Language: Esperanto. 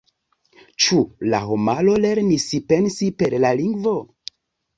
Ĉu la homaro lernis pensi per la lingvo?